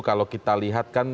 kalau kita lihat kan